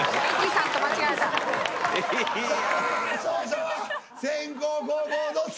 さあ勝者は先攻後攻どっち？